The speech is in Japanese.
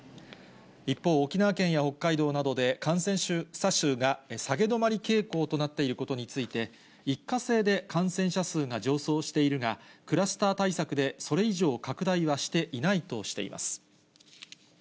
一方、沖縄県や北海道などで感染者数が下げ止まり傾向となっていることについて、一過性で、感染者数が上昇しているが、クラスター対策でそれ以上拡大はしていないとしています。